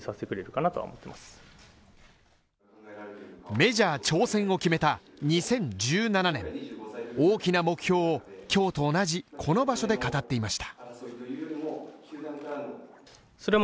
メジャー挑戦を決めた２０１７年大きな目標を今日と同じこの場所で語っていました。